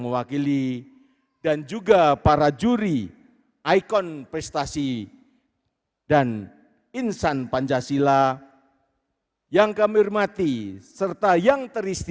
mewakili dan juga para juri ikon prestasi dan insan pancasila yang kami hormati serta yang teristira